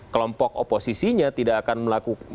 kelompok oposisinya tidak akan melakukan